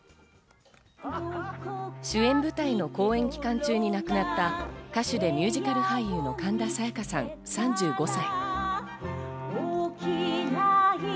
主演舞台の公演期間中に亡くなった、歌手でミュージカル俳優の神田沙也加さん、３５歳。